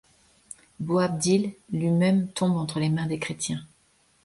Boabdil lui-même tombe entre les mains des chrétiens.